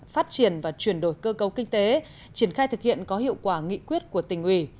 phát triển và chuyển đổi cơ cấu kinh tế triển khai thực hiện có hiệu quả nghị quyết của tỉnh ủy